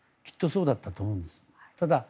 きっとそうだったと思うんですね。